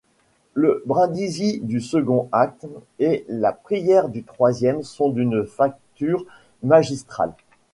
Le brindisi du second acte et la prière du troisième sont d'une facture magistrale.